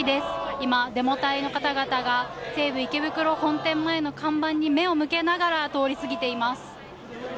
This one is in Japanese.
今、デモ隊の方々が西武池袋本店前の看板に目を向けながら通り過ぎています。